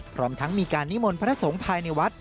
พร้อมทั้งมีการนิมนต์พระสงฆ์ภายในวัด